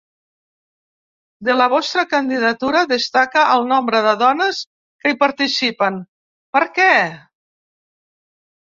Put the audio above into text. De la vostra candidatura destaca el nombre de dones que hi participen, per què?